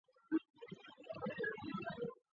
达瓦齐仅带少数人仓皇南逃。